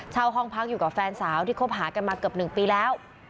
ห้องพักอยู่กับแฟนสาวที่คบหากันมาเกือบ๑ปีแล้ว